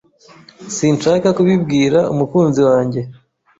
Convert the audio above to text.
Sinshaka kubibwira umukunzi wanjye.